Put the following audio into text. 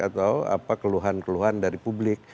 atau keluhan keluhan dari publik